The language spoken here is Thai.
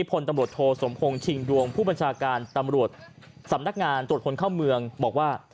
พลตำรวจโทสมพงศ์ชิงดวงผู้บัญชาการตำรวจสำนักงานตรวจคนเข้าเมืองบอกว่า